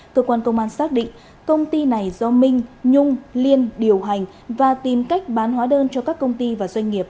cơ quan công an xác định công ty này do minh nhung liên điều hành và tìm cách bán hóa đơn cho các công ty và doanh nghiệp